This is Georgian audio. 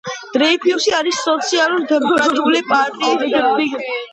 დრეიფუსი არის სოციალ-დემოკრატიული პარტიის წევრი.